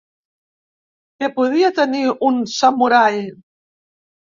Què podia tenir un samurai?